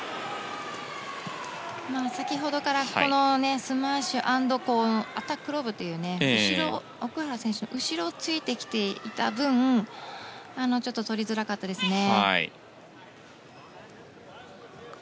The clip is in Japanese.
先ほどからスマッシュアンドアタックロブという奥原選手の後ろをついてきていた分ちょっととりづらかったですね。